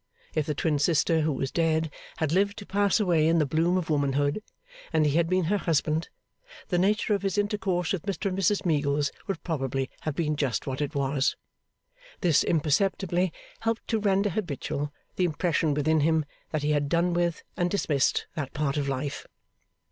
If the twin sister who was dead had lived to pass away in the bloom of womanhood, and he had been her husband, the nature of his intercourse with Mr and Mrs Meagles would probably have been just what it was. This imperceptibly helped to render habitual the impression within him, that he had done with, and dismissed that part of life.